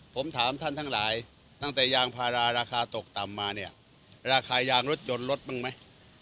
ผมถามท่านทั้งหลายตั้งแต่ยางพาราราคาตกต่ำมาเนี่ยราคายางรถยนต์ลดบ้างไหม